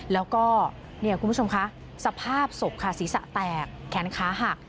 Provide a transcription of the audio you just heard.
แล้วก็เนี่ยคุณผู้ชมคะสภาพศพค่ะศีรษะแตกแขนขาหัก